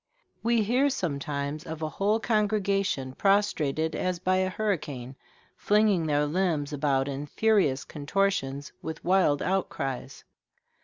We hear sometimes of a whole congregation prostrated as by a hurricane, flinging their limbs about in furious contortions, with wild outcries.